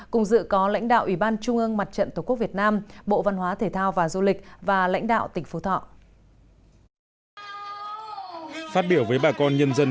cùng dự có lãnh đạo ủy ban trung ương mặt trận tổ quốc việt nam bộ văn hóa thể thao và du lịch và lãnh đạo tỉnh phú thọ